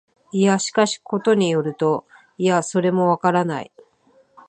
いや、しかし、ことに依ると、いや、それもわからない、